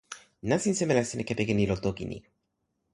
nasin seme la sina kepeken ilo toki ni?